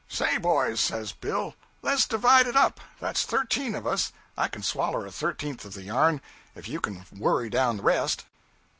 'Say, boys,' says Bill, 'less divide it up. Thar's thirteen of us. I can swaller a thirteenth of the yarn, if you can worry down the rest.'